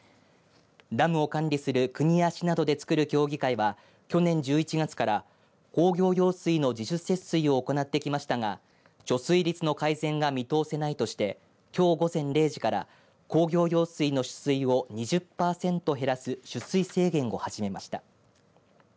ダムを管理する国や市などでつくる協議会は去年１１月から工業用水の自主節水を行ってきましたが貯水率の改善が見通せないとしてきょう午前０時から工業用水の取水を２０パーセント減らす取水制限を始めました。